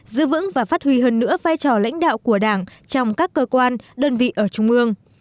giữ vững và phát huy hơn nữa vai trò lãnh đạo của đảng trong các cơ quan đơn vị ở trung ương